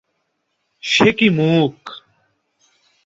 সে কী মুখ!